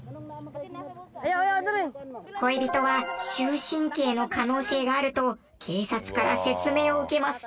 恋人は終身刑の可能性があると警察から説明を受けます。